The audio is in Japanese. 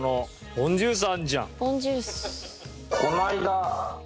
ポンジュース。